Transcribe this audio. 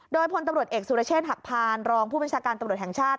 โดยพลตำรวจเอกสุรเชษฐหักพานรองผู้บัญชาการตำรวจแห่งชาติ